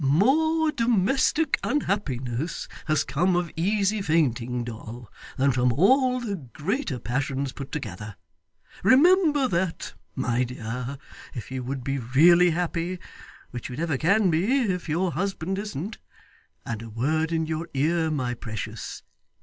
More domestic unhappiness has come of easy fainting, Doll, than from all the greater passions put together. Remember that, my dear, if you would be really happy, which you never can be, if your husband isn't. And a word in your ear, my precious.